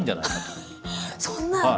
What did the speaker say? そんな。